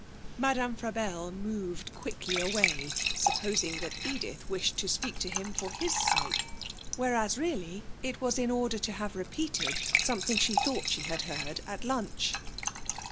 Madame Frabelle moved quickly away, supposing that Edith wished to speak to him for his sake, whereas really it was in order to have repeated something she thought she had heard at lunch.